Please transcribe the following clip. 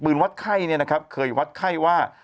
วัดไข้เนี่ยนะครับเคยวัดไข้ว่า